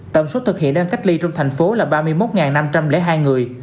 tổng số thực hiện đang cách ly trong thành phố là ba mươi một năm trăm linh hai người